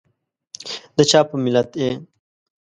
دچا په ملت یي؟